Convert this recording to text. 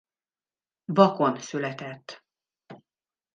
Vakon született.